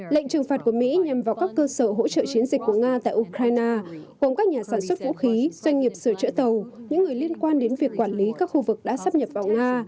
lệnh trừng phạt của mỹ nhằm vào các cơ sở hỗ trợ chiến dịch của nga tại ukraine gồm các nhà sản xuất vũ khí doanh nghiệp sửa chữa tàu những người liên quan đến việc quản lý các khu vực đã sắp nhập vào nga